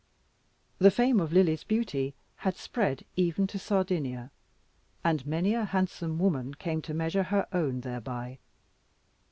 The fame of Lily's beauty had spread even to Sardinia, and many a handsome woman came to measure her own thereby.